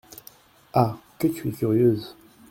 Ah ! que tu es curieuse !…